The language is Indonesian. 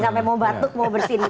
sampai mau batuk mau bersin